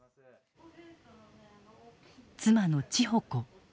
妻の千穂子。